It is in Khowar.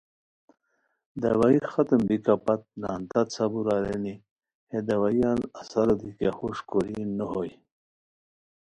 دوائی ختم بیکا پت نان تت صبر ارینی، ہے دوائیان اثرو دی کیہ خاص ہوݰ کورین نو ہوئے